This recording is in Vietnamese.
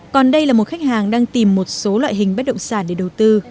còn đây là một khách hàng đang tìm một số loại hình bất động sản để đầu tư